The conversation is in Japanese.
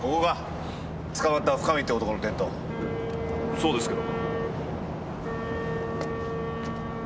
そうですけど。